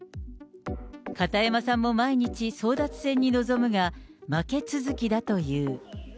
片山さんも毎日、争奪戦に臨むが、負け続きだという。